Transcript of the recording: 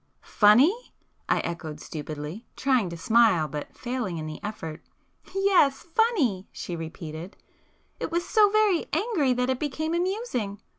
"Funny?" I echoed stupidly, trying to smile, but failing in the effort. "Yes, funny!" she repeated—"It was so very angry that it became amusing.